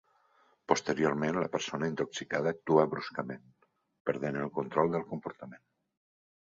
Posteriorment la persona intoxicada actua bruscament, perdent el control del comportament.